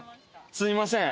すみません。